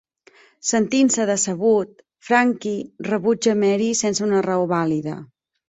Sentint-se decebut, Frankie rebutja Mary sense una raó vàlida.